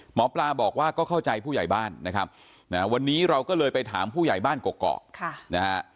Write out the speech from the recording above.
หมอปลาบอกว่าก็เข้าใจผู้ใหญ่บ้านนะครับวันนี้เราก็เลยไปถามผู้ใหญ่บ้านเกาะนะฮะ